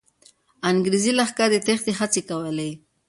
انګریزي لښکر د تېښتې هڅې کولې.